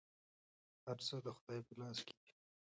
هر څه د خدای په لاس کې دي.